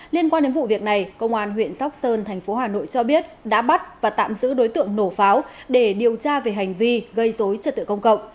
liên quan đến vụ việc này công an huyện sóc sơn thành phố hà nội cho biết đã bắt và tạm giữ đối tượng nổ pháo để điều tra về hành vi gây dối trật tự công cộng